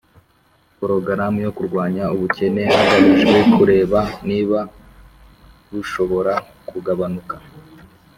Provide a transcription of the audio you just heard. porogaramu yo kurwanya ubukene hagamijwe kureba niba bushobora kugabanuka